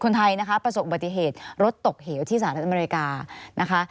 คนไทยประสบอุบัติเหตุรถตกเหี่ยวที่สหรัฐอเมริกา